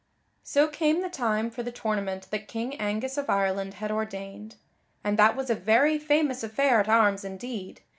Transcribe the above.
_ So came the time for the tournament that King Angus of Ireland had ordained; and that was a very famous affair at arms indeed.